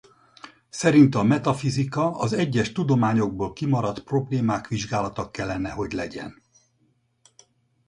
Szerinte a metafizika az egyes tudományokból kimaradt problémák vizsgálata kellene hogy legyen.